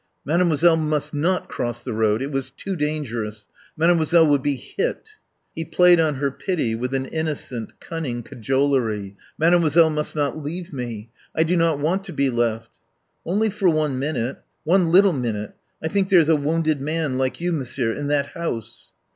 Mademoiselle must not cross the road. It was too dangerous. Mademoiselle would be hit. He played on her pity with an innocent, cunning cajolery. "Mademoiselle must not leave me. I do not want to be left." "Only for one minute. One little minute. I think there's a wounded man, like you, Monsieur, in that house."